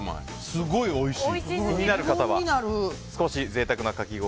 すごいおいしい。